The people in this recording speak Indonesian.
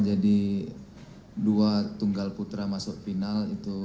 jadi dua tunggal putra masuk final itu